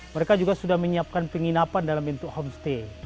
mereka juga sudah menyiapkan penginapan dalam bentuk homestay